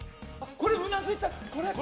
これうなずいた。